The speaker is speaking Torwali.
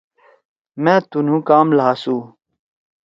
مأ تُنُو کام لھاسُو۔